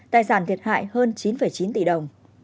tài sản thiệt hại hơn chín chín tỷ đồng